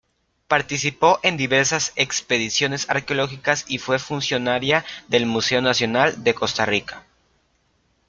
Participó en diversas expediciones arqueológicas y fue funcionaria del Museo Nacional de Costa Rica.